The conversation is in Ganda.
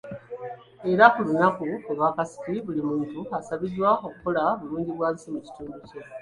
Era ku lunaku lw'akasiki, buli muntu asabiddwa okukola bulungibwansi mu kitundu kye.